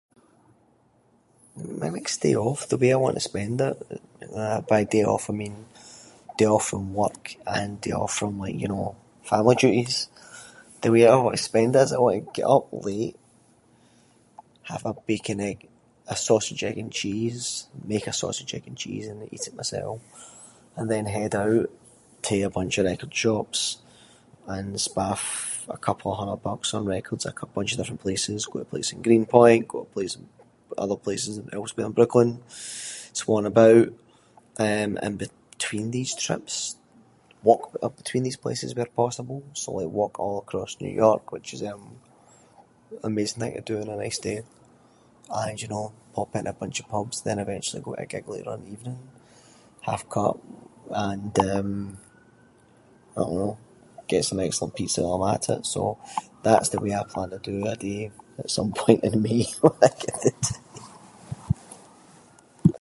My next day off, the way I want to spend it- by day off I mean day off from work and day off from like you know, family duties. The way I want to spend it is I want to like get up late, have a bacon, egg- a sausage, egg, and cheese- make a sausage, egg, and cheese, and then eat it mysel, and then head out to a bunch of record shops, and spaff a couple of hundred bucks on records, like a bunch of different places. Go to a place in Greenpoint, go to a place in other places and elsewhere in Brooklyn. Swan about, eh in between these trips, walk up between these places where possible, so like walk all across New York which is eh an amazing thing to do on a nice day. And you know pop into a bunch of pubs, then eventually go to a gig later on in the evening, half-cut and eh I don’t know, get some excellent pizza while I’m at it. So, that’s the way I plan to do a day, at some point in May, when I get the time.